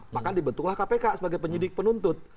maka dibentuklah kpk sebagai penyidik penuntut